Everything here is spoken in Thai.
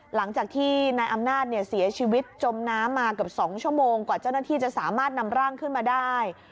หลังจากที่นายอำนาจเสียชีวิตจมน้ำมาเกือบ๒ชั่วโมงกว่าเจ้าหน้าที่จะสามารถนำร่างขึ้นมาได้